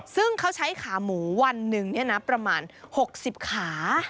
ซึ่งเขาใช้ขาหมูวันหนึ่งประมาณ๖๐ขา